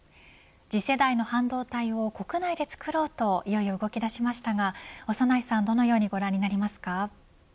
次世代の半導体を国内で作ろうといよいよ動き出しましたが長内さんどのようにご覧になりますか。